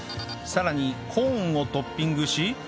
さらにコーンをトッピングし